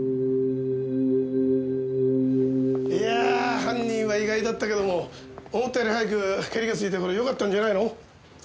いや犯人は意外だったけども思ったより早くケリがついたからよかったんじゃないの？